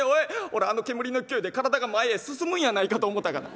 おらあの煙の勢いで体が前へ進むんやないかと思たがな。